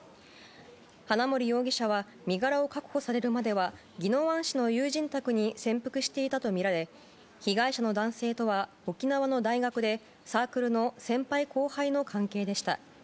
花森容疑者は身柄を確保されるまでは宜野湾市の友人宅に潜伏していたとみられ被害者の男性とは、沖縄の大学でサークルの先輩後輩の関係でした。